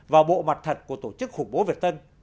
và bộ mặt thật của tổ chức khủng bố việt tân